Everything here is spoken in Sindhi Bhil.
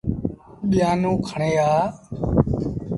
ٻيآنون کڻي آ۔